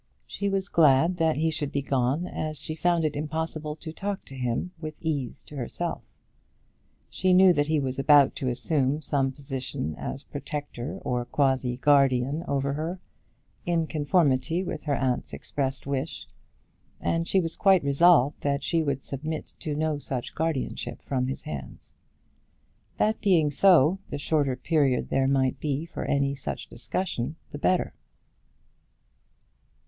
She was glad that he should be gone, as she found it impossible to talk to him with ease to herself. She knew that he was about to assume some position as protector or quasi guardian over her, in conformity with her aunt's express wish, and she was quite resolved that she would submit to no such guardianship from his hands. That being so, the shorter period there might be for any such discussion the better.